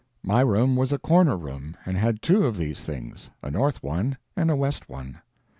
My room was a corner room, and had two of these things, a north one and a west one.